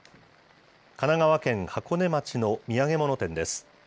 神奈川県箱根町の土産物店です。